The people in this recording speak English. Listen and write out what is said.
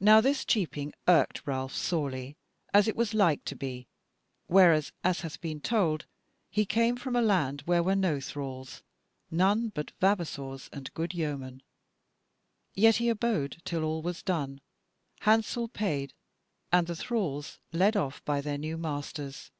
Now this cheaping irked Ralph sorely, as was like to be, whereas, as hath been told, he came from a land where were no thralls, none but vavassors and good yeomen: yet he abode till all was done, hansel paid, and the thralls led off by their new masters.